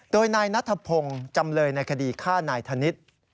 โดยนายนัทพงศ์จำเลยในคดีฆ่านายธนิษฐ์